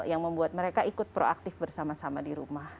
yang membuat mereka ikut proaktif bersama sama di rumah